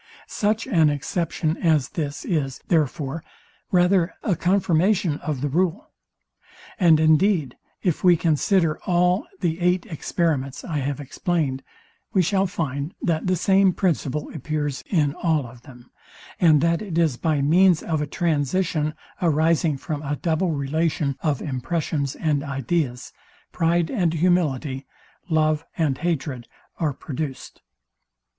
Such an exception as this is, therefore, rather a confirmation of the rule. And indeed, if we consider all the eight experiments I have explained, we shall find that the same principle appears in all of them, and that it is by means of a transition arising from a double relation of impressions and ideas, pride and humility, love and hatred are produced.